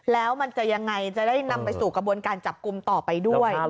แล้วมันจะยังไงจะได้นำไปสู่กระบวนการจับกลุ่มต่อไปด้วย